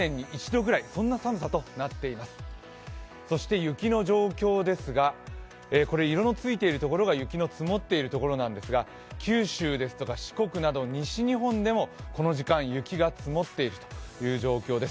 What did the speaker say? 雪の状況ですが、色のついているところが雪の積もっているところなんですが九州ですとか四国など西日本でもこの時間、雪が積もっている状況です。